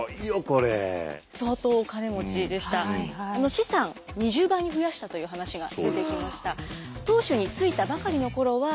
資産２０倍に増やしたという話が出てきました。